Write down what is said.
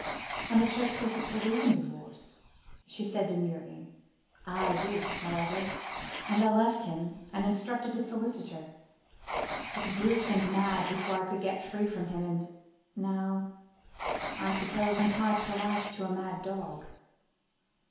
And the Church doesn't believe in divorce," she said demurely. "I did, however, and I left him, and instructed a solicitor. But the brute went mad before I could get free from him; and now, I suppose, I'm tied for life to a mad dog."